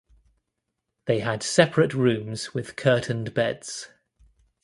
They had separate rooms with curtained beds.